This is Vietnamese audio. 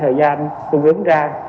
thời gian cung ứng ra